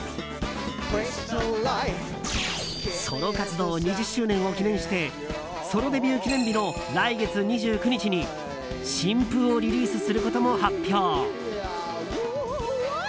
ソロ活動２０周年を記念してソロデビュー記念日の来月２９日に新譜をリリースすることも発表。